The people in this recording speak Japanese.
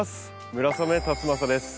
村雨辰剛です。